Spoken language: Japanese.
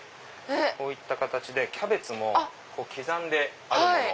こういった形でキャベツも刻んであるものを。